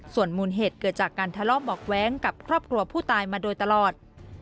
ส่วนมูลเหตุเกิดจากการทะเลาะเบาะแว้งกับครอบครัวผู้ตายมาโดยตลอด